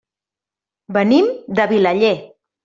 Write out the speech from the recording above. Venim de Vilaller.